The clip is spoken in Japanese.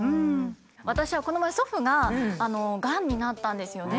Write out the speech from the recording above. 私はこの前祖父ががんになったんですよね。